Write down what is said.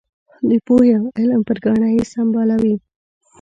د پوهې او علم پر ګاڼه یې سمبالوي.